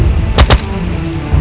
nah dua nari rati